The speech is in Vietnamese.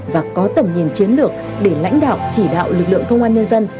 và có tầm nhìn chiến lược để lãnh đạo chỉ đạo lực lượng công an nhân dân